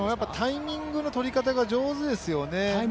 タイミングのとりかたが上手ですよね。